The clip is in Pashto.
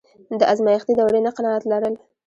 د ازمایښتي دورې نه قناعت لرل.